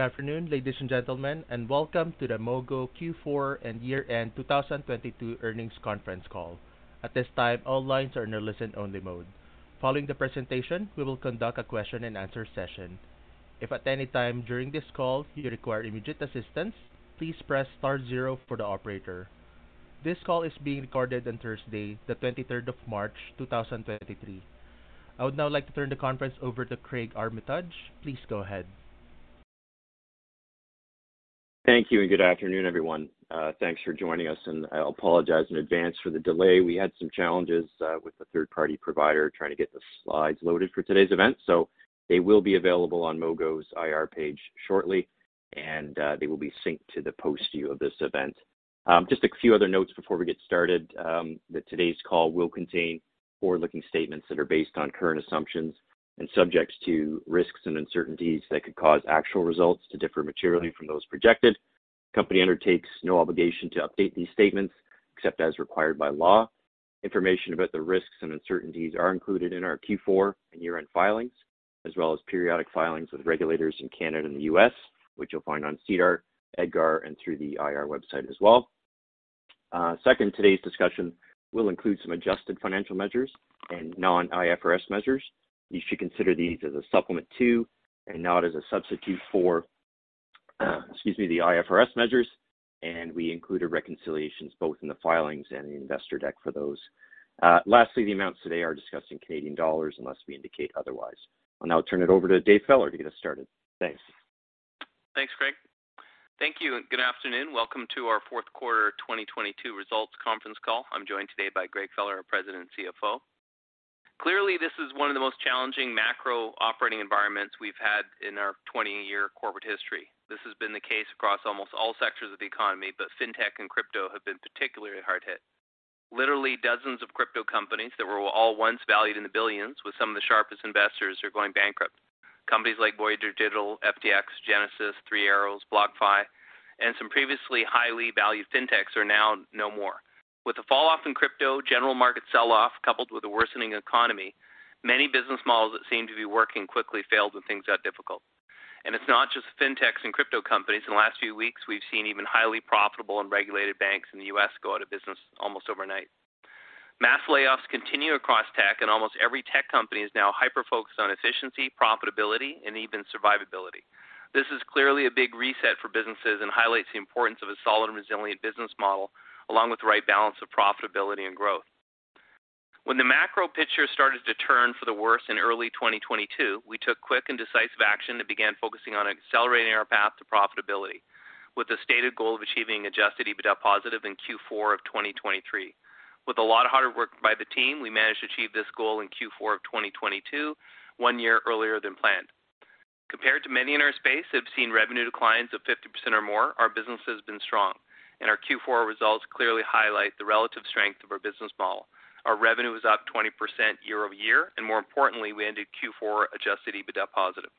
Good afternoon, ladies and gentlemen, welcome to the Mogo Q4 and year-end 2022 earnings conference call. At this time, all lines are in a listen-only mode. Following the presentation, we will conduct a question-and-answer session. If at any time during this call you require immediate assistance, please press star zero for the operator. This call is being recorded on Thursday, the 23rd of March, 2023. I would now like to turn the conference over to Craig Armitage. Please go ahead. Thank you, good afternoon, everyone. Thanks for joining us. I apologize in advance for the delay. We had some challenges with the third-party provider trying to get the slides loaded for today's event. They will be available on Mogo's IR page shortly. They will be synced to the post view of this event. Just a few other notes before we get started. That today's call will contain forward-looking statements that are based on current assumptions and subjects to risks and uncertainties that could cause actual results to differ materially from those projected. Company undertakes no obligation to update these statements except as required by law. Information about the risks and uncertainties are included in our Q4 and year-end filings, as well as periodic filings with regulators in Canada and the U.S., which you'll find on SEDAR, EDGAR, and through the IR website as well. Second, today's discussion will include some adjusted financial measures and non-IFRS measures. You should consider these as a supplement to and not as a substitute for the IFRS measures. We included reconciliations both in the filings and the investor deck for those. Lastly, the amounts today are discussed in Canadian dollars unless we indicate otherwise. I'll now turn it over to Dave Feller to get us started. Thanks. Thanks, Craig. Thank you and good afternoon. Welcome to our fourth quarter 2022 results conference call. I'm joined today by Greg Feller, our President and CFO. Clearly, this is one of the most challenging macro operating environments we've had in our 20-year corporate history. This has been the case across almost all sectors of the economy, but Fintech and crypto have been particularly hard hit. Literally dozens of crypto companies that were all once valued in the billions with some of the sharpest investors are going bankrupt. Companies like Voyager Digital, FTX, Genesis, Three Arrows, BlockFi, and some previously highly valued Fintechs are now no more. With the falloff in crypto, general market sell-off, coupled with a worsening economy, many business models that seem to be working quickly failed when things got difficult. It's not just Fintechs and crypto companies. In the last few weeks, we've seen even highly profitable and regulated banks in the U.S. go out of business almost overnight. Mass layoffs continue across tech, and almost every tech company is now hyper-focused on efficiency, profitability, and even survivability. This is clearly a big reset for businesses and highlights the importance of a solid and resilient business model, along with the right balance of profitability and growth. When the macro picture started to turn for the worse in early 2022, we took quick and decisive action that began focusing on accelerating our path to profitability with the stated goal of achieving adjusted EBITDA positive in Q4 of 2023. With a lot of hard work by the team, we managed to achieve this goal in Q4 of 2022, one year earlier than planned. Compared to many in our space, they've seen revenue declines of 50% or more, our business has been strong, and our Q4 results clearly highlight the relative strength of our business model. Our revenue is up 20% year-over-year. More importantly, we ended Q4 adjusted EBITDA positive.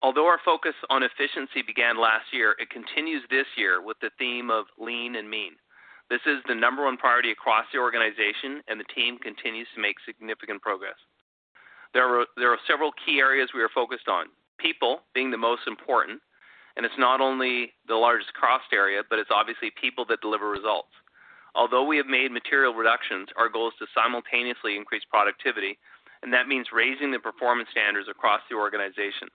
Although our focus on efficiency began last year, it continues this year with the theme of lean and mean. This is the number one priority across the organization. The team continues to make significant progress. There are several key areas we are focused on, people being the most important. It's not only the largest cost area, but it's obviously people that deliver results. Although we have made material reductions, our goal is to simultaneously increase productivity. That means raising the performance standards across the organization.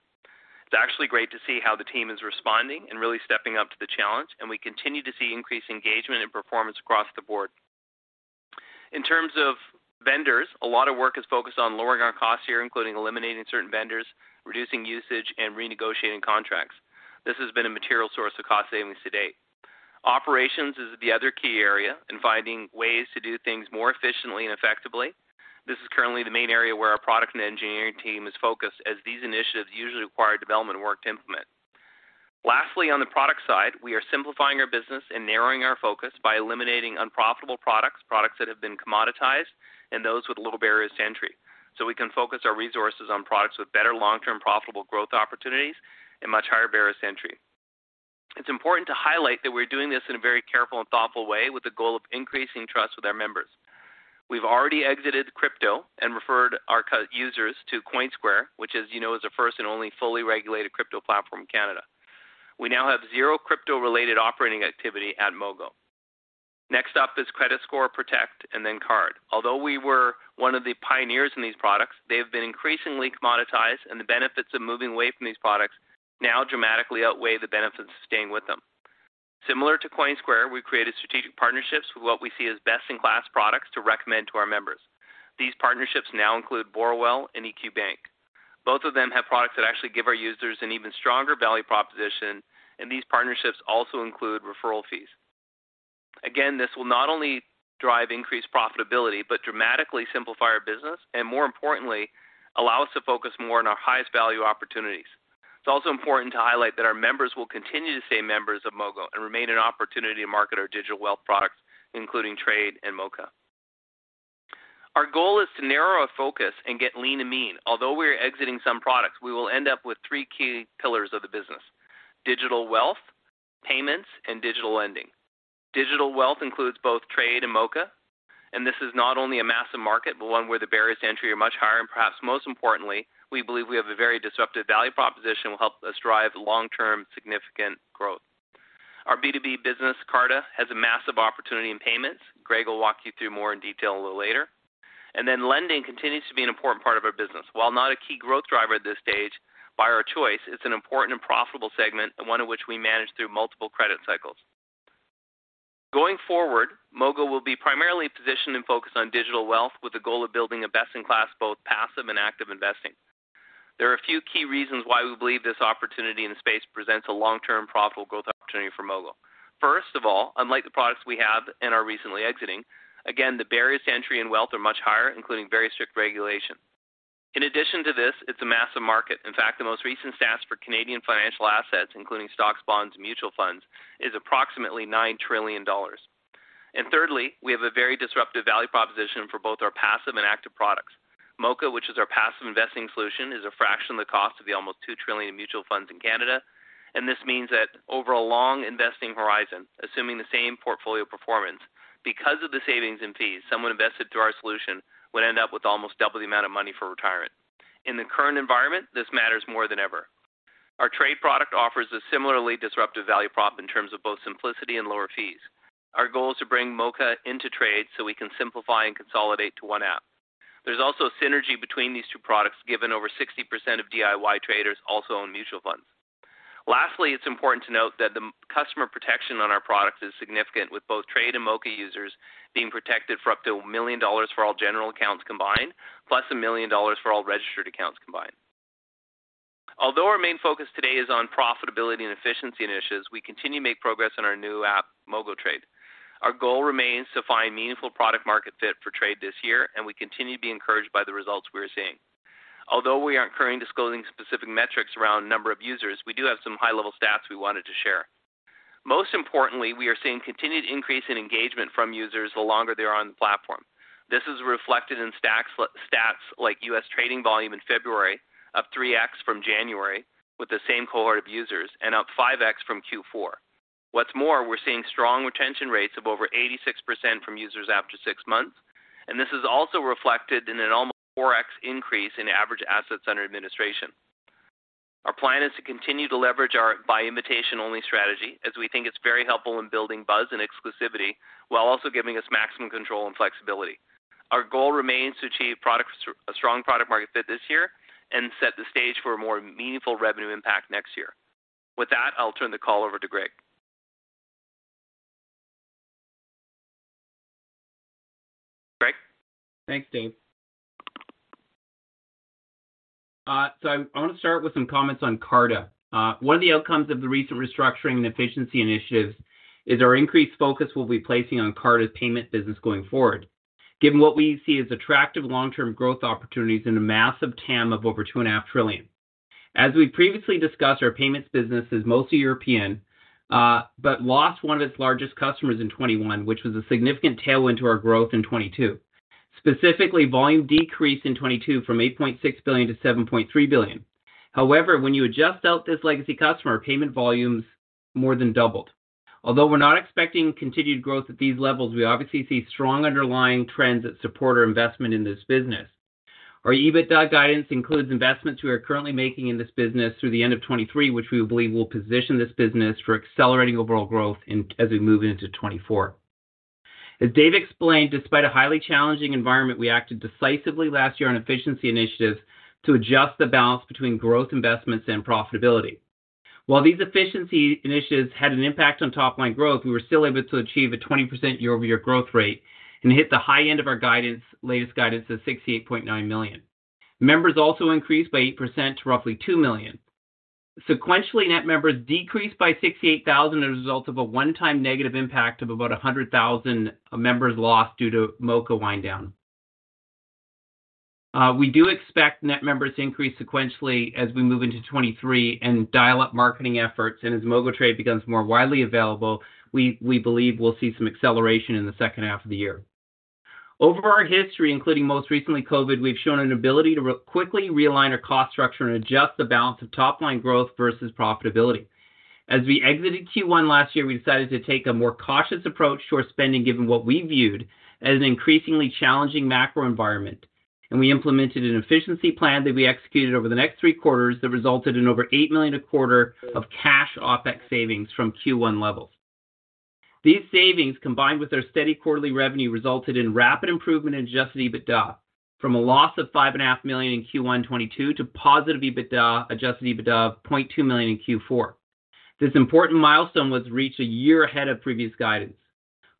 It's actually great to see how the team is responding and really stepping up to the challenge, and we continue to see increased engagement and performance across the board. In terms of vendors, a lot of work is focused on lowering our costs here, including eliminating certain vendors, reducing usage, and renegotiating contracts. This has been a material source of cost savings to date. Operations is the other key area in finding ways to do things more efficiently and effectively. This is currently the main area where our product and engineering team is focused as these initiatives usually require development work to implement. Lastly, on the product side, we are simplifying our business and narrowing our focus by eliminating unprofitable products that have been commoditized, and those with little barriers to entry, so we can focus our resources on products with better long-term profitable growth opportunities and much higher barriers to entry. It's important to highlight that we're doing this in a very careful and thoughtful way with the goal of increasing trust with our members. We've already exited crypto and referred our users to Coinsquare, which as you know, is the first and only fully regulated crypto platform in Canada. We now have zero crypto-related operating activity at Mogo. Next up is Credit Score, Protect, and then Card. Although we were one of the pioneers in these products, they've been increasingly commoditized and the benefits of moving away from these products now dramatically outweigh the benefits of staying with them. Similar to Coinsquare, we created strategic partnerships with what we see as best-in-class products to recommend to our members. These partnerships now include Borrowell and EQ Bank. Both of them have products that actually give our users an even stronger value proposition, and these partnerships also include referral fees. This will not only drive increased profitability, but dramatically simplify our business, and more importantly, allow us to focus more on our highest value opportunities. It's also important to highlight that our members will continue to stay members of Mogo and remain an opportunity to market our digital wealth products, including Trade and Moka. Our goal is to narrow our focus and get lean and mean. Although we are exiting some products, we will end up with three key pillars of the business: digital wealthPayments and digital lending. Digital wealth includes both Trade and Moka, this is not only a massive market, but one where the barriers to entry are much higher. Perhaps most importantly, we believe we have a very disruptive value proposition will help us drive long-term significant growth. Our B2B business, Carta, has a massive opportunity in payments. Greg will walk you through more in detail a little later. Then lending continues to be an important part of our business. While not a key growth driver at this stage by our choice, it's an important and profitable segment and one of which we manage through multiple credit cycles. Going forward, Mogo will be primarily positioned and focused on digital wealth with the goal of building a best-in-class, both passive and active investing. There are a few key reasons why we believe this opportunity in the space presents a long-term profitable growth opportunity for Mogo. First of all, unlike the products we have and are recently exiting, again, the barriers to entry and wealth are much higher, including very strict regulation. In addition to this, it's a massive market. In fact, the most recent stats for Canadian financial assets, including stocks, bonds, mutual funds, is approximately 9 trillion dollars. Thirdly, we have a very disruptive value proposition for both our passive and active products. Moka, which is our passive investing solution, is a fraction of the cost of the almost 2 trillion in mutual funds in Canada. This means that over a long investing horizon, assuming the same portfolio performance, because of the savings in fees, someone invested through our solution would end up with almost double the amount of money for retirement. In the current environment, this matters more than ever. Our Trade product offers a similarly disruptive value prop in terms of both simplicity and lower fees. Our goal is to bring Moka into Trade so we can simplify and consolidate to one app. There's also a synergy between these two products, given over 60% of DIY traders also own mutual funds. It's important to note that the customer protection on our products is significant, with both Trade and Moka users being protected for up to 1 million dollars for all general accounts combined, plus 1 million dollars for all registered accounts combined. Although our main focus today is on profitability and efficiency initiatives, we continue to make progress on our new app, MogoTrade. Our goal remains to find meaningful product market fit for Trade this year, and we continue to be encouraged by the results we are seeing. Although we aren't currently disclosing specific metrics around number of users, we do have some high-level stats we wanted to share. Most importantly, we are seeing continued increase in engagement from users the longer they are on the platform. This is reflected in stats like U.S. trading volume in February, up 3x from January with the same cohort of users and up 5x from Q4. What's more, we're seeing strong retention rates of over 86% from users after 6 months, and this is also reflected in an almost 4x increase in average assets under administration. Our plan is to continue to leverage our by invitation only strategy as we think it's very helpful in building buzz and exclusivity while also giving us maximum control and flexibility. Our goal remains to achieve a strong product market fit this year and set the stage for a more meaningful revenue impact next year. With that, I'll turn the call over to Greg. Greg? Thanks, Dave. I want to start with some comments on Carta. One of the outcomes of the recent restructuring and efficiency initiatives is our increased focus we'll be placing on Carta's payment business going forward, given what we see as attractive long-term growth opportunities in a massive TAM of over 2.5 trillion. As we previously discussed, our payments business is mostly European, but lost one of its largest customers in 2021, which was a significant tailwind to our growth in 2022. Specifically, volume decreased in 2022 from 8.6 billion to 7.3 billion. However, when you adjust out this legacy customer, payment volumes more than doubled. Although we're not expecting continued growth at these levels, we obviously see strong underlying trends that support our investment in this business. Our EBITDA guidance includes investments we are currently making in this business through the end of 2023, which we believe will position this business for accelerating overall growth as we move into 2024. As Dave explained, despite a highly challenging environment, we acted decisively last year on efficiency initiatives to adjust the balance between growth investments and profitability. While these efficiency initiatives had an impact on top-line growth, we were still able to achieve a 20% year-over-year growth rate and hit the high end of our guidance, latest guidance of 68.9 million. Members also increased by 8% to roughly 2 million. Sequentially, net members decreased by 68,000 as a result of a one-time negative impact of about 100,000 members lost due to Moka wind-down. We do expect net members to increase sequentially as we move into 2023 and dial up marketing efforts. As MogoTrade becomes more widely available, we believe we'll see some acceleration in the second half of the year. Over our history, including most recently COVID, we've shown an ability to quickly realign our cost structure and adjust the balance of top line growth versus profitability. As we exited Q1 last year, we decided to take a more cautious approach to our spending, given what we viewed as an increasingly challenging macro environment. We implemented an efficiency plan that we executed over the next three quarters that resulted in over 8 million a quarter of cash OpEx savings from Q1 levels. These savings, combined with our steady quarterly revenue, resulted in rapid improvement in adjusted EBITDA from a loss of five and a half million in Q1 2022 to positive EBITDA, adjusted EBITDA of 0.2 million in Q4. This important milestone was reached a year ahead of previous guidance.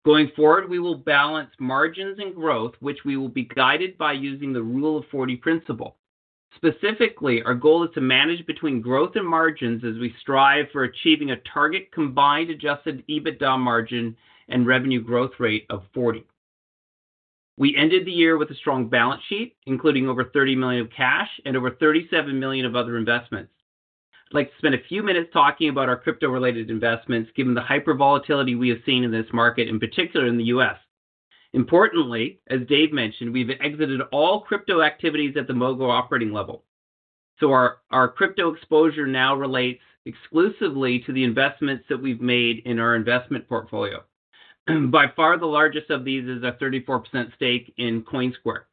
Going forward, we will balance margins and growth, which we will be guided by using the Rule of 40 principle. Specifically, our goal is to manage between growth and margins as we strive for achieving a target combined adjusted EBITDA margin and revenue growth rate of 40. We ended the year with a strong balance sheet, including over 30 million of cash and over 37 million of other investments. I'd like to spend a few minutes talking about our crypto-related investments given the hyper volatility we have seen in this market, in particular in the U.S. Importantly, as Dave mentioned, we've exited all crypto activities at the Mogo operating level. Our crypto exposure now relates exclusively to the investments that we've made in our investment portfolio. By far, the largest of these is a 34% stake in Coinsquare.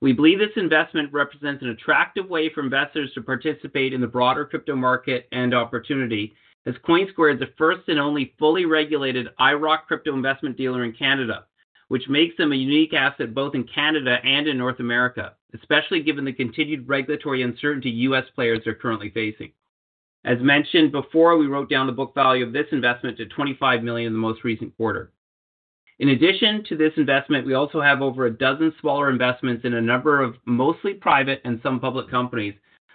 We believe this investment represents an attractive way for investors to participate in the broader crypto market and opportunity, as Coinsquare is the first and only fully regulated IIROC crypto investment dealer in Canada. Which makes them a unique asset both in Canada and in North America, especially given the continued regulatory uncertainty U.S. players are currently facing. As mentioned before, we wrote down the book value of this investment to 25 million in the most recent quarter. In addition to this investment, we also have over a dozen smaller investments in a number of mostly private and some public companies,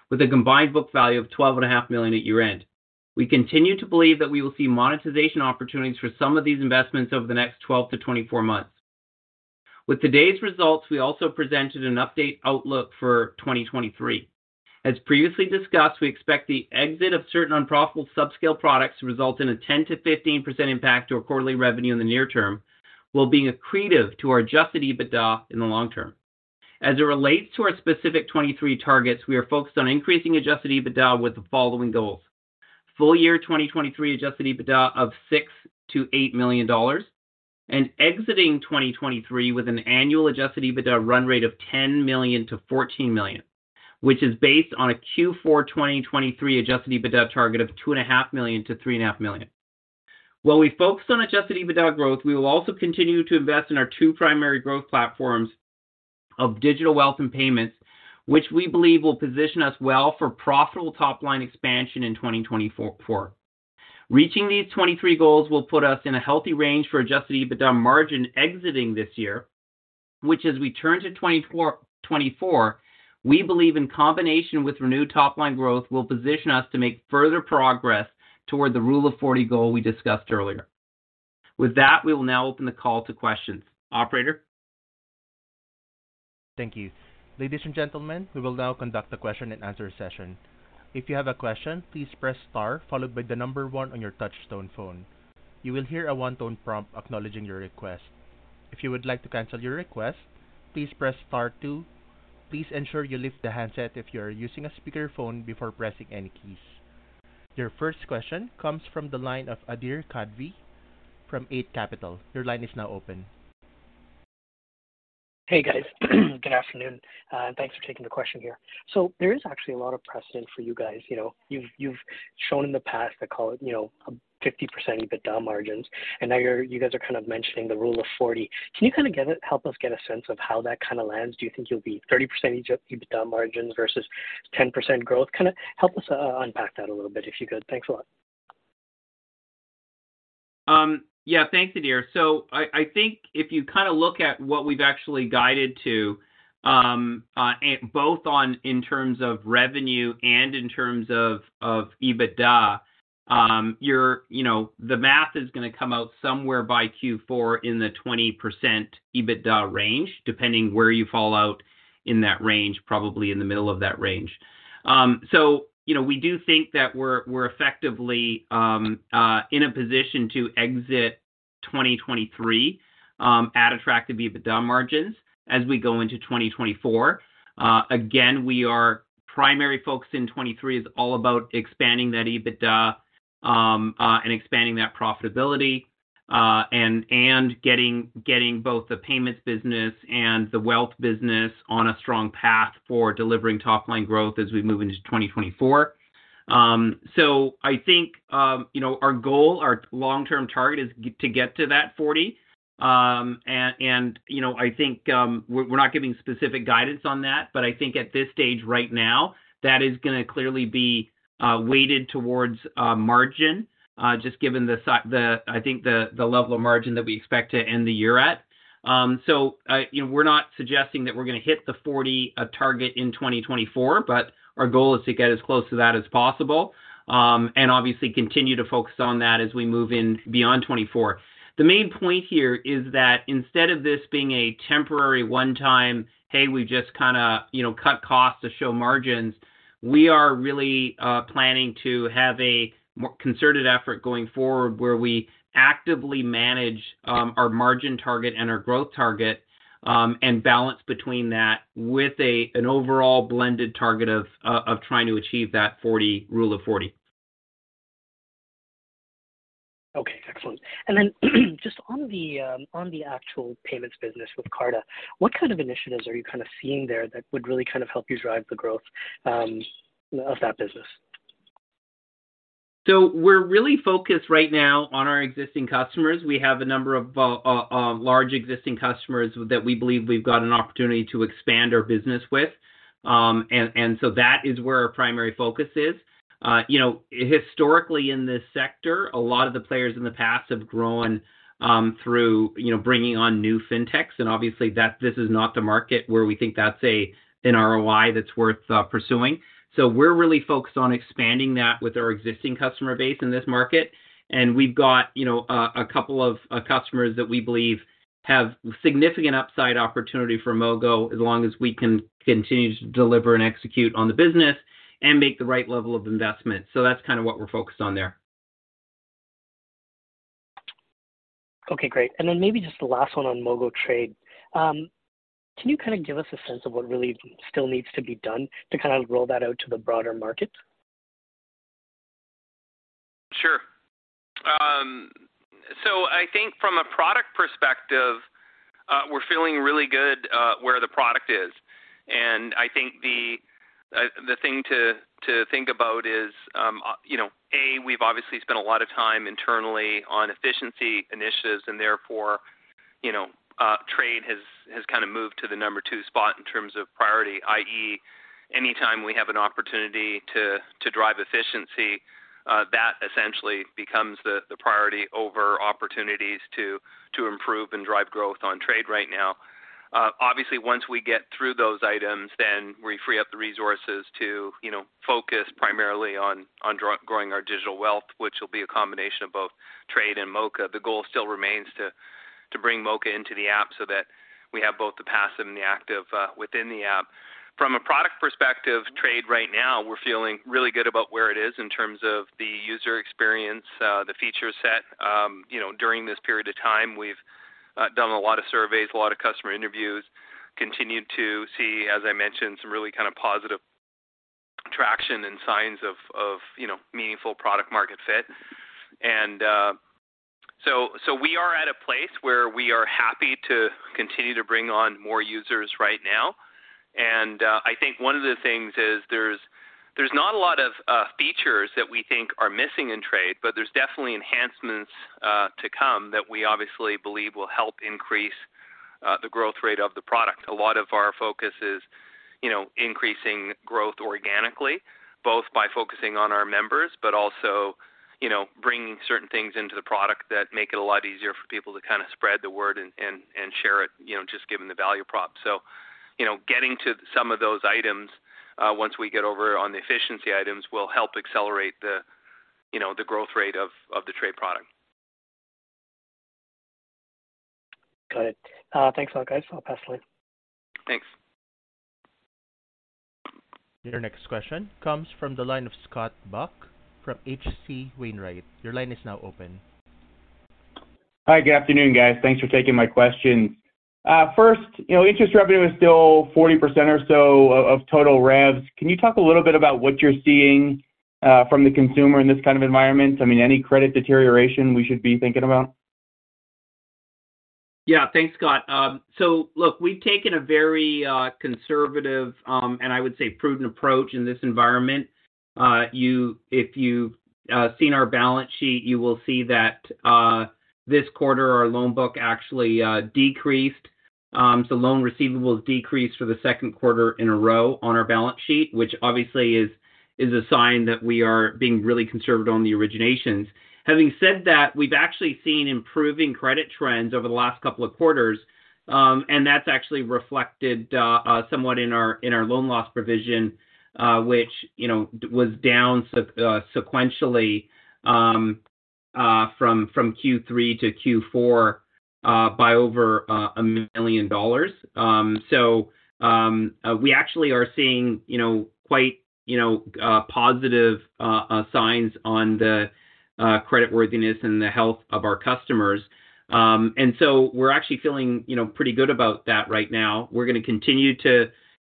with a combined book value of twelve and a half million at year-end. We continue to believe that we will see monetization opportunities for some of these investments over the next 12-24 months. With today's results, we also presented an update outlook for 2023. As previously discussed, we expect the exit of certain unprofitable subscale products to result in a 10%-15% impact to our quarterly revenue in the near term, while being accretive to our adjusted EBITDA in the long term. As it relates to our specific 2023 targets, we are focused on increasing adjusted EBITDA with the following goals: Full year 2023 adjusted EBITDA of 6 million-8 million dollars, exiting 2023 with an annual adjusted EBITDA run rate of 10 million-14 million, which is based on a Q4 2023 adjusted EBITDA target of two and a half million to three and a half million. While we focus on adjusted EBITDA growth, we will also continue to invest in our 2 primary growth platforms of digital wealth and payments, which we believe will position us well for profitable top line expansion in 2024. Reaching these 23 goals will put us in a healthy range for adjusted EBITDA margin exiting this year, which as we turn to 2024, we believe in combination with renewed top line growth will position us to make further progress toward the Rule of 40 goal we discussed earlier. With that, we will now open the call to questions. Operator. Thank you. Ladies and gentlemen, we will now conduct the question-and-answer session. If you have a question, please press star followed by the number one on your touch tone phone. You will hear a one-tone prompt acknowledging your request. If you would like to cancel your request, please press star two. Please ensure you lift the handset if you are using a speakerphone before pressing any keys. Your first question comes from the line of Adhir Kadve from Eight Capital. Your line is now open. Hey, guys. Good afternoon, and thanks for taking the question here. There is actually a lot of precedent for you guys. You know, you've shown in the past, I call it, you know, 50% EBITDA margins, and now you guys are kind of mentioning the Rule of 40. Can you kind of help us get a sense of how that kind of lands? Do you think you'll be 30% EBITDA margins versus 10% growth? Kind of help us unpack that a little bit, if you could. Thanks a lot. Yeah, thanks, Adhir. I think if you kind of look at what we've actually guided to, both on in terms of revenue and in terms of EBITDA, you know, the math is gonna come out somewhere by Q4 in the 20% EBITDA range, depending where you fall out in that range, probably in the middle of that range. You know, we do think that we're effectively in a position to exit 2023 at attractive EBITDA margins as we go into 2024. Again, we are primary focused in 2023 is all about expanding that EBITDA and expanding that profitability and getting both the payments business and the wealth business on a strong path for delivering top-line growth as we move into 2024. I think, you know, our goal, our long-term target is to get to that 40. You know, I think, we're not giving specific guidance on that, but I think at this stage right now, that is gonna clearly be weighted towards margin, just given the, I think the level of margin that we expect to end the year at. You know, we're not suggesting that we're gonna hit the 40 target in 2024, but our goal is to get as close to that as possible, and obviously continue to focus on that as we move in beyond 2024. The main point here is that instead of this being a temporary one-time, hey, we just kinda, you know, cut costs to show margins, we are really planning to have a concerted effort going forward where we actively manage our margin target and our growth target, and balance between that with a, an overall blended target of trying to achieve that Rule of 40. Okay, excellent. Then just on the actual payments business with Carta, what kind of initiatives are you kind of seeing there that would really kind of help you drive the growth, you know, of that business? We're really focused right now on our existing customers. We have a number of large existing customers that we believe we've got an opportunity to expand our business with. That is where our primary focus is. You know, historically in this sector, a lot of the players in the past have grown, through, you know, bringing on new Fintechs, and obviously that this is not the market where we think that's an ROI that's worth pursuing. We're really focused on expanding that with our existing customer base in this market. We've got, you know, a couple of customers that we believe have significant upside opportunity for Mogo as long as we can continue to deliver and execute on the business and make the right level of investment. That's kind of what we're focused on there. Okay, great. Maybe just the last one on MogoTrade. Can you kind of give us a sense of what really still needs to be done to kind of roll that out to the broader market? Sure. I think from a product perspective, we're feeling really good where the product is. And I think the thing to think about is, you know, A, we've obviously spent a lot of time internally on efficiency initiatives, and therefore, you know, Trade has kind of moved to the number two spot in terms of priority, i.e., anytime we have an opportunity to drive efficiency, that essentially becomes the priority over opportunities to improve and drive growth on Trade right now. Obviously once we get through those items, then we free up the resources to, you know, focus primarily on growing our digital wealth, which will be a combination of both Trade and Moka. The goal still remains to bring Moka into the app so that we have both the passive and the active within the app. From a product perspective Trade right now we're feeling really good about where it is in terms of the user experience, the feature set. You know, during this period of time, we've done a lot of surveys, a lot of customer interviews. Continued to see, as I mentioned, some really kind of positive traction and signs of, you know, meaningful product market fit. We are at a place where we are happy to continue to bring on more users right now. I think one of the things is there's not a lot of features that we think are missing in Trade, but there's definitely enhancements to come that we obviously believe will help increase the growth rate of the product. A lot of our focus is, you know, increasing growth organically, both by focusing on our members, but also, you know, bringing certain things into the product that make it a lot easier for people to kind of spread the word and share it, you know, just given the value prop. Getting to some of those items, once we get over on the efficiency items will help accelerate the, you know, the growth rate of the Trade product. Got it. Thanks a lot, guys. I'll pass the line. Thanks. Your next question comes from the line of Scott Buck from H.C. Wainwright. Your line is now open. Hi. Good afternoon, guys. Thanks for taking my question. First, you know, interest revenue is still 40% or so of total revs. Can you talk a little bit about what you're seeing, from the consumer in this kind of environment? I mean, any credit deterioration we should be thinking about? Thanks, Scott. Look, we've taken a very conservative and I would say prudent approach in this environment. If you've seen our balance sheet, you will see that this quarter, our loan book actually decreased. Loan receivables decreased for the second quarter in a row on our balance sheet, which obviously is a sign that we are being really conservative on the originations. Having said that, we've actually seen improving credit trends over the last couple of quarters. That's actually reflected somewhat in our loan loss provision, which, you know, was down sequentially from Q3-Q4 by over $1 million. We actually are seeing, you know, quite, you know, positive signs on the credit worthiness and the health of our customers. We're actually feeling, you know, pretty good about that right now. We're gonna continue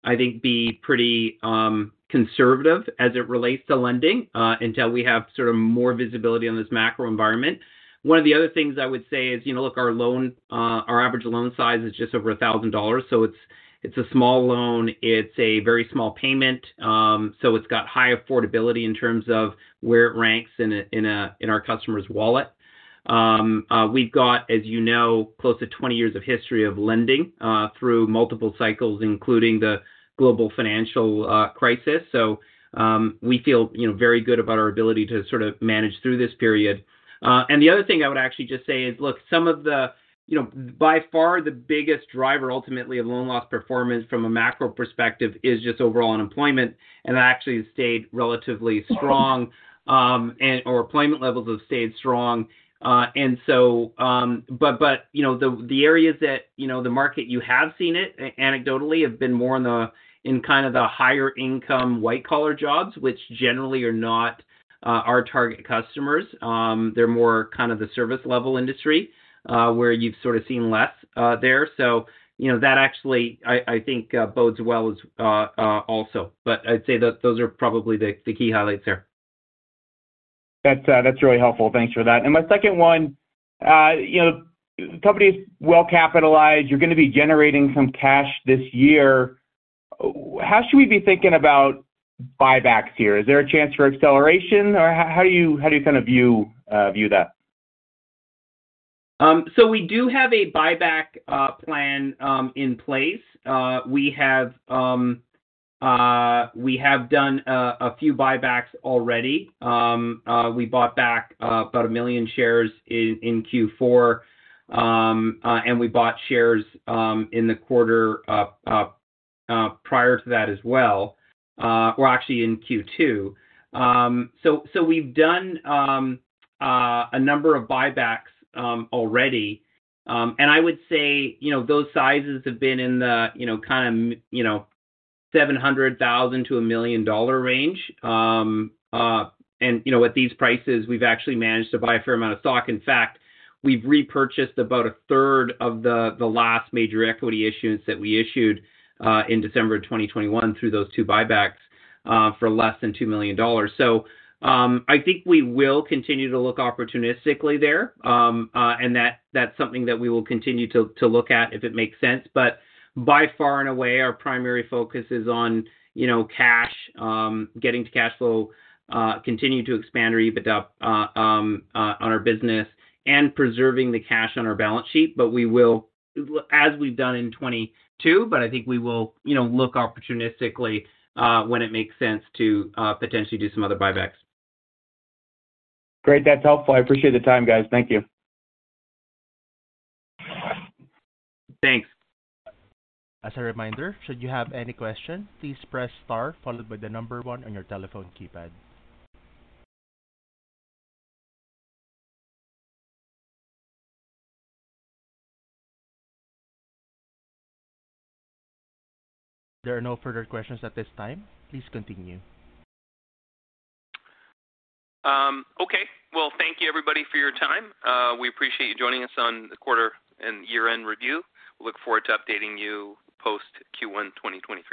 to, I think, be pretty conservative as it relates to lending until we have sort of more visibility on this macro environment. One of the other things I would say is, you know, look, our loan, our average loan size is just over 1,000 dollars. It's a small loan. It's a very small payment. It's got high affordability in terms of where it ranks in a customer's wallet. We've got, as you know, close to 20 years of history of lending through multiple cycles, including the Global Financial Crisis. We feel, you know, very good about our ability to sort of manage through this period. The other thing I would actually just say is, look, some of the... You know, by far the biggest driver ultimately of loan loss performance from a macro perspective is just overall unemployment. That actually has stayed relatively strong, or employment levels have stayed strong. But, you know, the areas that, you know, the market you have seen it anecdotally have been more in the, in kind of the higher income, white collar jobs, which generally are not our target customers. They're more kind of the service level industry, where you've sort of seen less, there. you know, that actually I think, bodes well as, also. I'd say that those are probably the key highlights there. That's really helpful. Thanks for that. My second one. You know, company's well capitalized. You're gonna be generating some cash this year. How should we be thinking about buybacks here? Is there a chance for acceleration or how do you kind of view that? We do have a buyback plan in place. We have done a few buybacks already. We bought back about 1 million shares in Q4. We bought shares in the quarter prior to that as well, or actually in Q2. We've done a number of buybacks already. I would say, you know, those sizes have been in the, you know, kind of, you know, 700,000-1 million dollar range. At these prices, we've actually managed to buy a fair amount of stock. In fact, we've repurchased about a third of the last major equity issuance that we issued in December of 2021 through those two buybacks for less than 2 million dollars. I think we will continue to look opportunistically there. And that's something that we will continue to look at if it makes sense. By far and away our primary focus is on, you know, cash, getting to cash flow, continuing to expand our EBITDA on our business and preserving the cash on our balance sheet. As we've done in 2022, I think we will, you know, look opportunistically when it makes sense to potentially do some other buybacks. Great. That's helpful. I appreciate the time, guys. Thank you. Thanks. As a reminder, should you have any question, please press star followed by one on your telephone keypad. There are no further questions at this time. Please continue. Okay. Well, thank you, everybody, for your time. We appreciate you joining us on the quarter and year-end review. We look forward to updating you post Q1, 2023.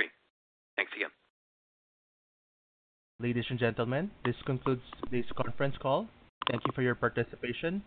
Thanks again. Ladies and gentlemen, this concludes this conference call. Thank you for your participation.